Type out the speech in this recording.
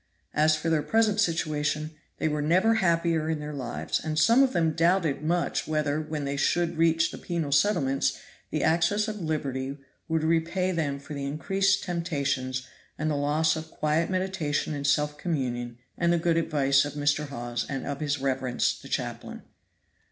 As for their present situation, they were never happier in their lives, and some of them doubted much whether, when they should reach the penal settlements, the access of liberty would repay them for the increased temptations and the loss of quiet meditation and self communion and the good advice of Mr. Hawes and of his reverence, the chaplain.